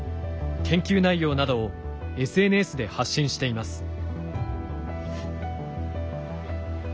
研究内容などをＳＮＳで発信しています。